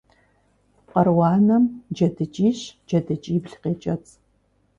Къру анэм джэдыкӏищ-джэдыкӏибл къекӏэцӏ.